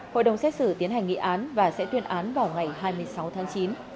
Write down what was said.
hội đồng xét xử tiến hành nghị án và sẽ tuyên án vào ngày hai mươi sáu tháng chín